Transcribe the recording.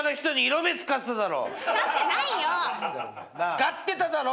使ってただろ！